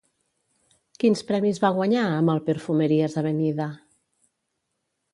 Quins premis va guanyar amb el Perfumerias Avenida?